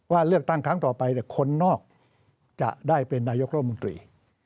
เลือกตั้งครั้งต่อไปคนนอกจะได้เป็นนายกรมนตรี